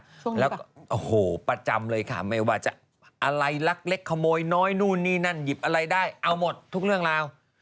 แล้วก็โอ้โหประจำเลยค่ะไม่ว่าจะอะไรลักเล็กขโมยน้อยนู่นนี่นั่นหยิบอะไรได้เอาหมดทุกเรื่องราว